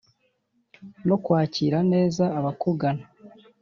no kwakira neza abakugana,